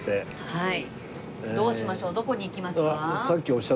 はい。